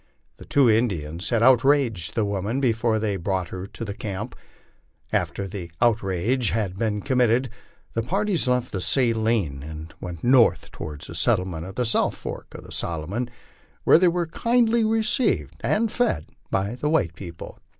The two Indians had outraged the woman before they brought her to tho camp. After the outrage had been committed, the parties left the Saline and went north toward the settlement of the south fork of the Solomon, where they were kindly received and fed by the white people.